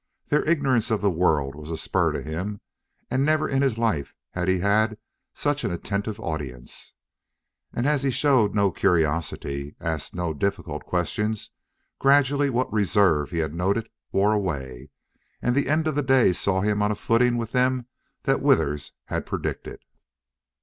Their ignorance of the world was a spur to him, and never in his life had he had such an attentive audience. And as he showed no curiosity, asked no difficult questions, gradually what reserve he had noted wore away, and the end of the day saw him on a footing with them that Withers had predicted.